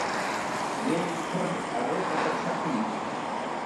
Yeyithori aretaka chapinki